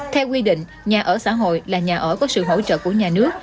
theo quy định nhà ở xã hội là nhà ở có sự hỗ trợ của nhà nước